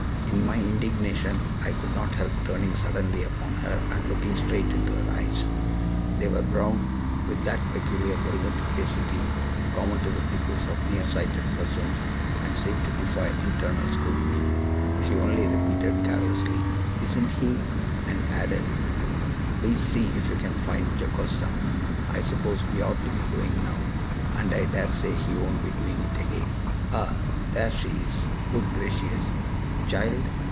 In my indignation I could not help turning suddenly upon her and looking straight into her eyes. They were brown, with that peculiar velvet opacity common to the pupils of nearsighted persons, and seemed to defy internal scrutiny. She only repeated carelessly, "Isn't he?" and added: "Please see if you can find Jocasta. I suppose we ought to be going now; and I dare say he won't be doing it again. Ah! there she is. Good gracious, child!